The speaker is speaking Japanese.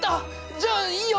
じゃあいいよ。